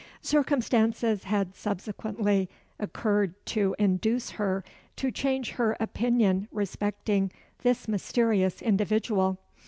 Circumstances had subsequently occurred to induce her to change her opinion respecting this mysterious individual.